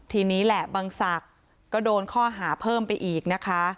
ทีนี้แหละบังศักดิ์ก็โดนข้อหาเพิ่มไปอีกนะคะ